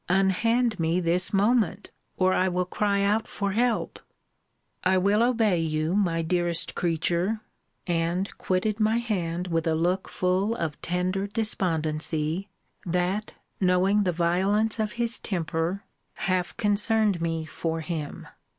Unhand me this moment, or I will cry out for help. I will obey you, my dearest creature! And quitted my hand with a look full of tender despondency, that, knowing the violence of his temper, half concerned me for him.